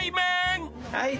はい。